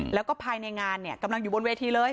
แล้วก็ภายในงานกำลังอยู่บนเวทีเลย